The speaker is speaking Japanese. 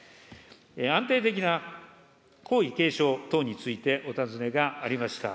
安定的な皇位継承等について、お尋ねがありました。